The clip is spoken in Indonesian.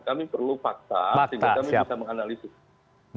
kami perlu fakta sehingga kami bisa menganalisis